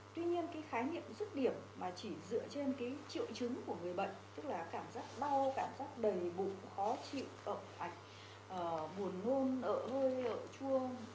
tuy nhiên cái khái niệm dứt điểm mà chỉ dựa trên cái triệu chứng của người bệnh tức là cảm giác bao cảm giác đầy bụng khó chịu ẩm ảnh buồn ngôn ợ hơi ợ trụng